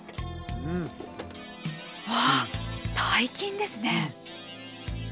うわ大金ですね。